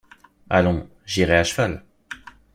Allons, j’irai à cheval.